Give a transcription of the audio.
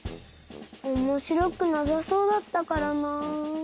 おもしろくなさそうだったからな。